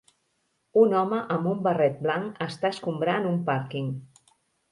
Un home amb un barret blanc està escombrant un pàrquing.